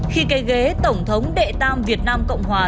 khi cây ghế tổng thống đệ tam việt nam cộng hòa